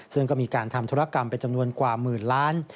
ซึ่งก็มีการทำธุรกรรมเป็นจำนวนกว่าหมื่นล้าน